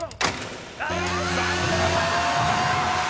［残念！］